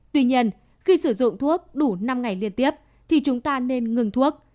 tuy nhiên khi sử dụng thuốc đủ năm ngày liên tiếp thì chúng ta nên ngừng thuốc